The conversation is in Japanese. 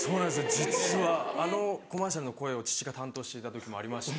実はあのコマーシャルの声を父が担当していた時もありまして。